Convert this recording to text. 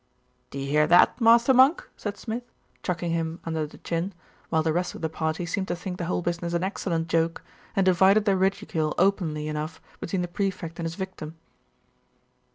'Do you hear that, master monk?' said Smid, chucking him under the chin, while the rest of the party seemed to think the whole business an excellent joke, and divided their ridicule openly enough between the Prefect and his victim.